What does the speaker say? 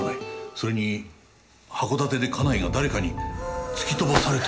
それに函館で家内が誰かに突き飛ばされたその理由が。